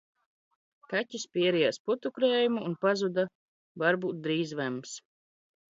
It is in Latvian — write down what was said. Kaķis pierijās putukrējumu un pazuda, varbūt drīz vems.